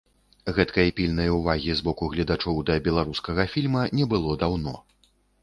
Гэткай пільнай увагі з боку гледачоў да беларускага фільма не было даўно.